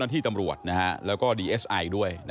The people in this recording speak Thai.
ผู้หญิงผู้หญิง